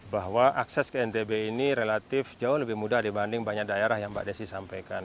bahwa akses ke ntb ini relatif jauh lebih mudah dibanding banyak daerah yang mbak desi sampaikan